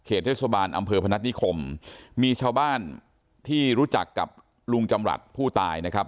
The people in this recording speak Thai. เทศบาลอำเภอพนัฐนิคมมีชาวบ้านที่รู้จักกับลุงจำรัฐผู้ตายนะครับ